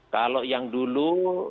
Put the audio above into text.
kalau yang dulu